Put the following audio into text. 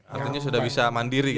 artinya sudah bisa mandiri